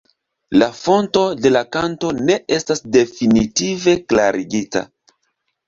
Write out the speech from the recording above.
La fonto de la kanto ne estas definitive klarigita.